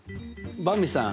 ばんびさん